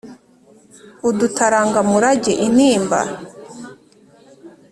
Udutaranga murage intimba